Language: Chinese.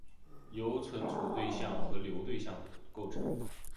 由存储对象和流对象构成。